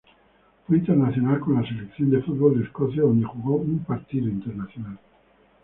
Fue internacional con la selección de fútbol de Escocia, donde jugó un partido internacional.